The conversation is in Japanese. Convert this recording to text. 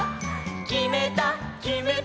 「きめたきめた」